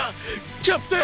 キャプテン！！